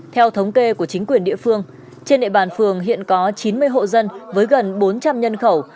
theo thống kê của chính quyền địa phương trên địa bàn phường hiện có chín mươi hộ dân với gần bốn trăm linh nhân khẩu